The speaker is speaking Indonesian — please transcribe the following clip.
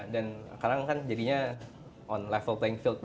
dan sekarang kan jadinya on level playing field